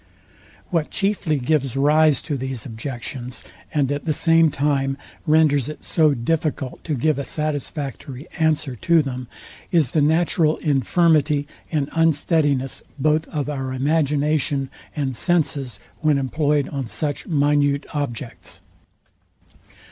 What chiefly gives rise to these objections, and at the same time renders it so difficult to give a satisfactory answer to them, is the natural infirmity and unsteadiness both of our imagination and senses, when employed on such minute objects.